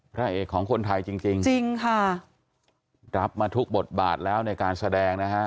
พระเอกของคนไทยจริงจริงค่ะรับมาทุกบทบาทแล้วในการแสดงนะฮะ